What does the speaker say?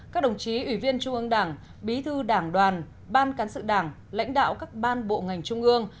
các đồng chí ủy viên trung ương đảng bí thư đảng đoàn ban cán sự đảng lãnh đạo các ban bộ ngành trung ương